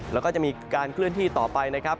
แล้วก็จะมีการเคลื่อนที่ต่อไปนะครับ